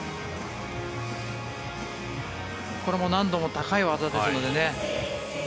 これも難度の高い技ですのでね。